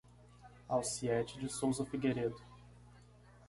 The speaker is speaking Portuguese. Alciete de Souza Figueiredo